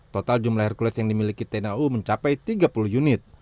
total jumlah hercules yang dimiliki tnau mencapai tiga puluh unit